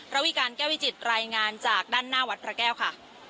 ระวิการแก้ววิจิตรายงานจากด้านหน้าวัดพระแก้วค่ะ